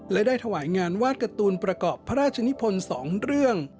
และได้ถวายงานวาดการ์ตูนประกอบพระราชนิพล๒เรื่อง